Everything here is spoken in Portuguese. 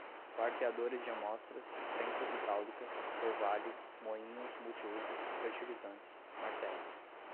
quarteadores de amostras, prensas hidráulicas, orvalho, moinhos multiuso, fertilizantes, martelos